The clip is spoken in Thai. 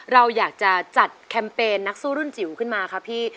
เราอยากจะจัดแคมเปญนักสู้รุ่นจิ๋วขึ้นมาครับพี่